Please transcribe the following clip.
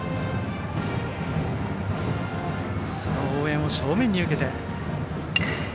その応援を正面に受けて。